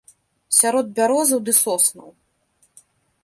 Сярод бярозаў ды соснаў.